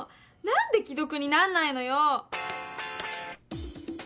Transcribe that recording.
何で既読になんないのよ？